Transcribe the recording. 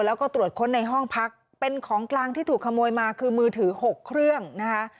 แล้วก็ตรวจค้นในห้องพักเป็นของกลางที่ถูกขโมยมาคือมือถือ๖เครื่องนะคะ